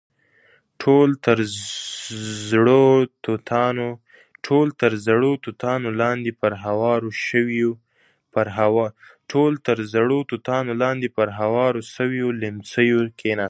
ټول تر زړو توتانو لاندې پر هوارو شويو ليمڅيو کېناستل.